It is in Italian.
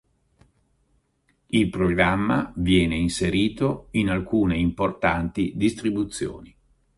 Il programma viene inserito in alcune importanti distribuzioni.